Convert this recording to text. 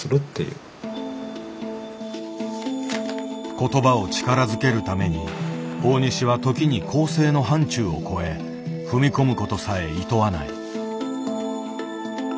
言葉を力づけるために大西は時に校正の範ちゅうをこえ踏み込むことさえいとわない。